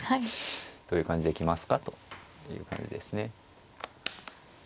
どういう感じで来ますかという感じですね。